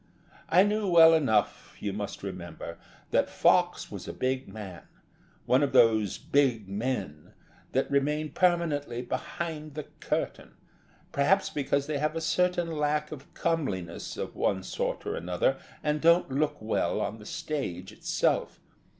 I knew well enough, you must remember, that Fox was a big man one of those big men that remain permanently behind the curtain, perhaps because they have a certain lack of comeliness of one sort or another and don't look well on the stage itself.